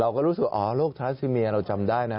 เราก็รู้สึกว่าอ๋อโรคทาราซิเมียเราจำได้นะ